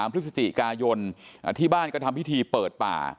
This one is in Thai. พฤศจิกายนที่บ้านก็ทำพิธีเปิดป่า